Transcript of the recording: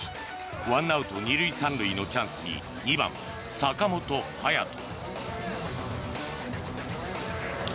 １アウト、２塁３塁のチャンスに２番、坂本勇人。